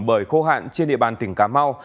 bởi khô hạn trên địa bàn tỉnh cà mau